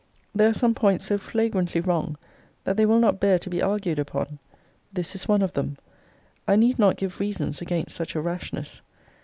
There are some points so flagrantly wrong that they will not bear to be argued upon. This is one of them. I need not give reasons against such a rashness.